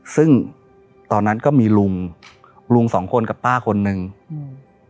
ซึ่งตอนนั้นก็มีลุงลุงสองคนกับป้าคนนึงอืม